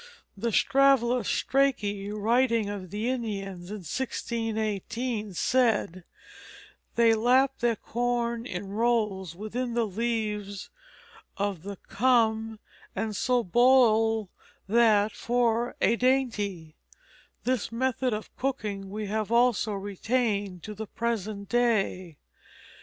The traveller, Strachey, writing of the Indians in 1618, said: "They lap their corn in rowles within the leaves of the come and so boyle yt for a dayntie." This method of cooking we have also retained to the present day.